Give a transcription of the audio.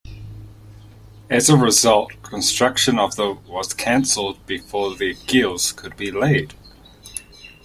As a result, construction of the was canceled before their keels could be laid.